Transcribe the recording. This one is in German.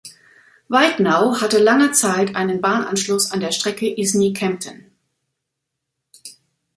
Weitnau hatte lange Zeit einen Bahnanschluss an der Strecke Isny-Kempten.